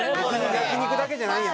焼き肉だけじゃないんや。